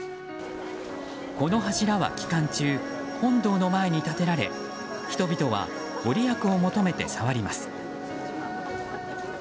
この柱は期間中本堂の前に立てられ人々は御利益を求めて触ります。